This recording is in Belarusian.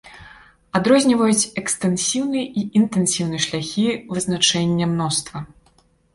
Адрозніваюць экстэнсіўны і інтэнсіўны шляхі вызначэння мноства.